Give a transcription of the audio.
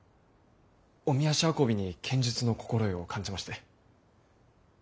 おみ足運びに剣術の心得を感じまして。